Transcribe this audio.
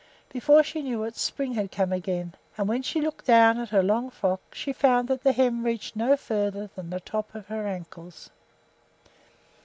Before she knew it spring had come again; and when she looked down at her long frock she found that the hem reached no farther than the tops of her ankles.